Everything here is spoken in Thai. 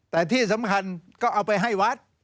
แต่ที่สำคัญก็เอาไปให้วัด